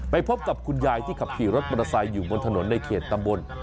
พบกับคุณยายที่ขับขี่รถมอเตอร์ไซค์อยู่บนถนนในเขตตำบล